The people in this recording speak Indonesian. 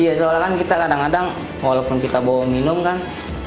iya soalnya kan kita kadang kadang walaupun kita bawa minum kan